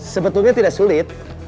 sebetulnya tidak sulit